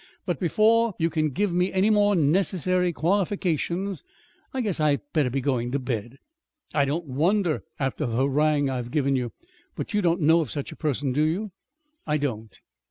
"But before you can give me any more necessary qualifications, I guess I'd better be going to bed." "I don't wonder, after the harangue I've given you. But you don't know of such a person, do you?" "I don't."